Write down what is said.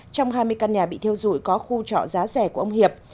trong hai mươi căn nhà bị thiêu dụi có khu trọ giá rẻ của ông hiệp